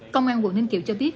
công an quận ninh kiều cho biết